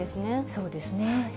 そうですね。